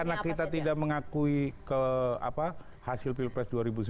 karena kita tidak mengakui hasil pilpres dua ribu sembilan belas